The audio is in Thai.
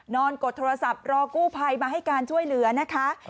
กดโทรศัพท์รอกู้ภัยมาให้การช่วยเหลือนะคะ